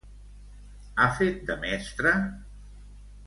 Ha fet de mestra?